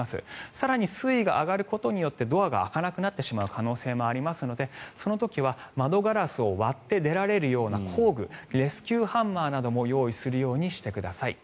更に水位が上がることでドアが開かなくなる可能性もありますので、その時は窓ガラスを割って出られるような工具レスキューハンマーなども用意するようにしてください。